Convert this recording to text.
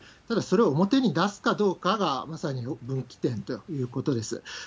ただ、それを表に出すかどうかがまさに分岐点ということです。